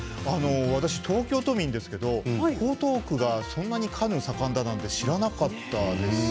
私、東京都民ですけど江東区がそんなにカヌー盛んだなんて知らなかったです。